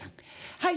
はい。